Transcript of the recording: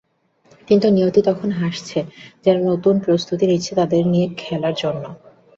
কিন্তু নিয়তি তখন হাসছে, যেন নতুন প্রস্তুতি নিচ্ছে তাদের নিয়ে খেলার জন্য।